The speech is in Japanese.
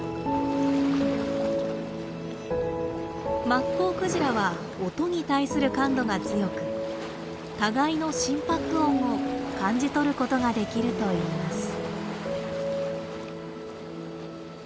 マッコウクジラは音に対する感度が強く互いの心拍音を感じ取ることができるといいます。